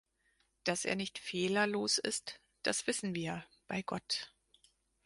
Dass er nicht fehlerlos ist, das wissen wir, bei Gott.